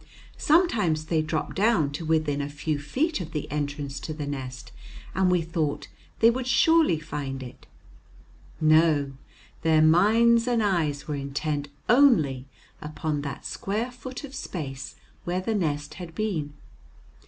Sometimes they dropped down to within a few feet of the entrance to the nest, and we thought they would surely find it. No, their minds and eyes were intent only upon that square foot of space where the nest had been.